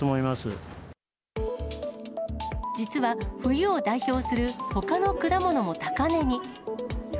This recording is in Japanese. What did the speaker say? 実は冬を代表するほかの果物も高値に。